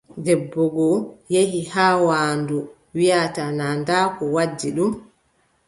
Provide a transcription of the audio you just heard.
Debbo goo yehi haa waandu, wiʼata naa ndaa ko waddi ɗum.